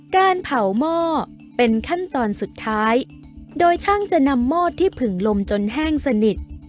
การเผาหม้อเป็นขั้นตอนสุดท้ายโดยช่างจะนำหม้อที่ผึ่งลมจนแห้งสนิท